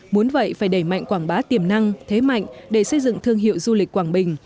muốn vậy phải đẩy mạnh quảng bá tiềm năng thế mạnh để xây dựng thương hiệu du lịch quảng bình